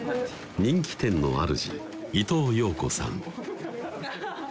人気店のあるじ・伊藤陽子さん